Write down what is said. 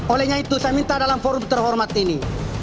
olehnya itu saya minta dalam forum terhormat ini